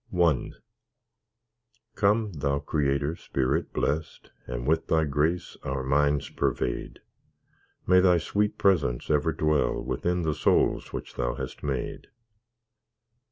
I Come, Thou Creator Spirit blest, And with Thy grace our minds pervade; May Thy sweet presence ever dwell Within the souls which Thou hast made.